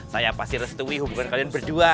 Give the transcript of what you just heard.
saya pasti restui hubungan kalian berdua